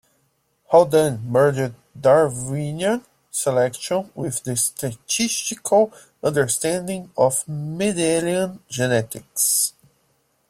Haldane, merged Darwinian selection with a statistical understanding of Mendelian genetics.